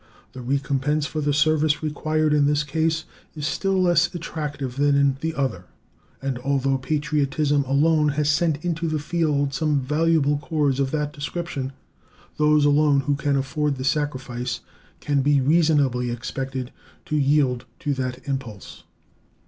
The recompense for the service required in this case is still less attractive than in the other, and although patriotism alone has sent into the field some valuable corps of that description, those alone who can afford the sacrifice can be reasonably expected to yield to that impulse.